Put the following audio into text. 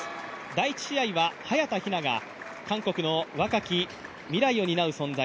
第１試合は早田ひなが韓国の若き未来を担う存在